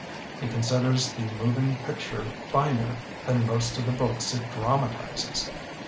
He con siders the moving picture finer than most of the books it dramatizes.